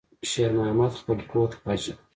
شېرمحمد خپل کوټ واچاوه.